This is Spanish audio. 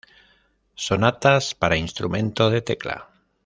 Sonatas para instrumento de tecla.